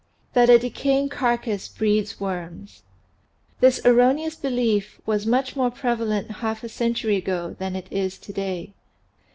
THAT A DECAYING CARCASS BREEDS WORMS HIS erroneous belief was much more prevalent half a century ago than it is to day.